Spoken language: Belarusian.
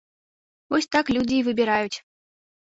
Вось так людзі і выбіраюць!